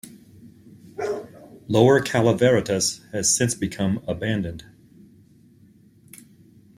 Lower Calaveritas has since become abandoned.